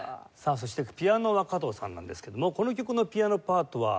そしてピアノは加藤さんなんですけどもこの曲のピアノパートは？